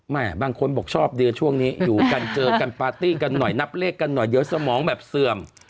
บางคนบอกชอบดีช่วงนี้อยู่กันเจอกันปาร์ตี้กันหน่อยนับเลขกันหน่อยเดี๋ยวสมองแบบเสื่อม